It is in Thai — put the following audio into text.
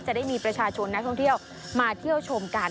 จะได้มีประชาชนนักท่องเที่ยวมาเที่ยวชมกัน